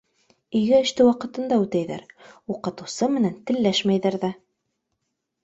Өйгә эште ваҡытында үтәйҙәр, уҡытыусы менән телләшмәйҙәр ҙә.